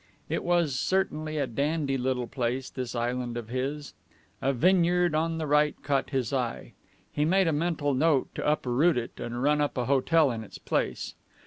It was certainly a dandy little place, this island of his. A vineyard on the right caught his eye. He made a mental note to uproot it and run up a hotel in its place.